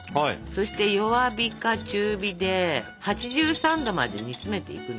そして弱火か中火で８３℃まで煮詰めていくんですが。